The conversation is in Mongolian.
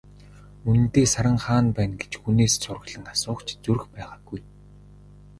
Үнэндээ, Саран хаана байна гэж хүнээс сураглан асуух ч зүрх байгаагүй.